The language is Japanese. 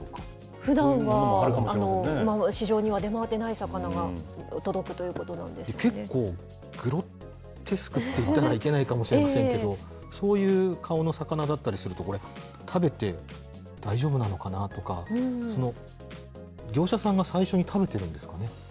ふだんは、市場には出回っていない魚が届くということなんで結構、グロテスクって言ったらいけないかもしれないですけど、そういう顔の魚だったりするとこれ、食べて大丈夫なのかなとか、業者さんが最初に食べてるんですかね。